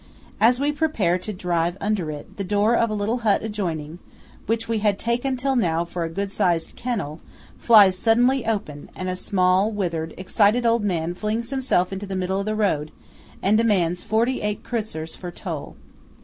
As we prepare to drive under it, the door of a little hut adjoining, which we had taken till now for a good sized kennel, flies suddenly open, and a small, withered, excited old man flings himself into the middle of the road, and demands forty eight kreutzers for toll.